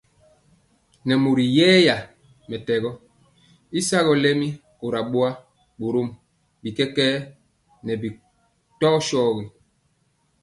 Nɛ mori yɛya mɛtɛgɔ y sagɔ lɛmi kora boa, borom bi kɛkɛɛ nɛ bi kɔ.